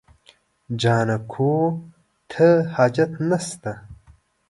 جانکو ته حاجت نشته.